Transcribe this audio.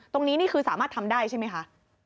นี่คือสามารถทำได้ใช่ไหมคะ